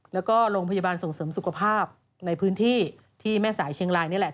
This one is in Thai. แล้วก็โรงพยาบาลส่งเสริมสุขภาพในพื้นที่ที่แม่สายเชียงรายนี่แหละ